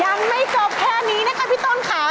ยังไม่จบแค่นี้นะคะพี่ต้นค่ะ